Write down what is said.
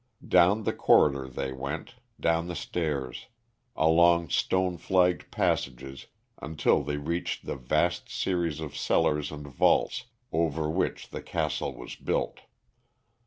Down the corridor they went, down the stairs, along stone flagged passages until they reached the vast series of cellars and vaults over which the castle was built.